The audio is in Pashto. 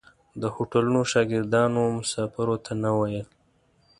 د هوټلو شاګردانو مسافرو ته نه ویل.